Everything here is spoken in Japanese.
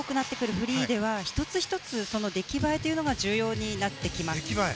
フリーでは１つ１つその出来栄えが重要になってきます。